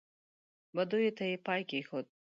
بدیو ته یې پای کېښود.